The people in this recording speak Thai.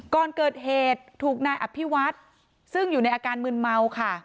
ก่อนเกิดเหตุถูกนายอภิวัฒน์ซึ่งอยู่ในอาการมืนเมาค่ะ